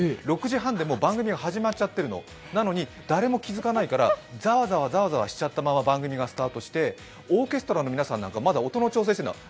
６時半で番組が始まっちゃってるのなのに、誰も気付かないから、ざわざわしちゃったまま番組がスタートしちゃってオーケストラの皆さんなんかまだ音の調整しちゃってるの。